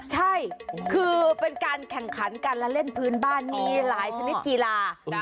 ใช่คือเป็นการแข่งขันการละเล่นพื้นบ้านมีหลายชนิดกีฬา